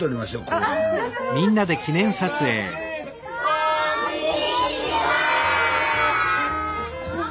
こんにちは！